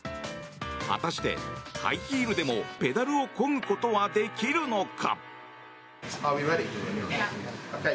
果たしてハイヒールでもペダルをこぐことはできるのか。